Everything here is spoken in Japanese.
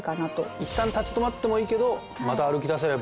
いったん立ち止まってもいいけどまた歩き出せれば。